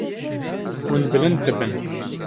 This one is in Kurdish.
Hûn bilind dibin.